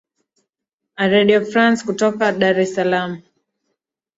a redio france international kutoka dar es salaam